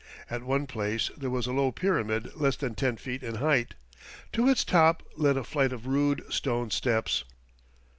At one place there was a low pyramid less than ten feet in height. To its top led a flight of rude stone steps.